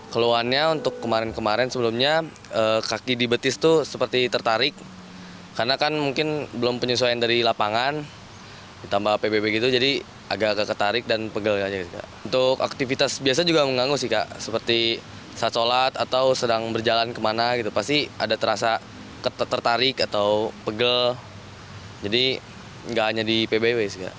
jadera yang terlalu pegel jadi tidak hanya di pbw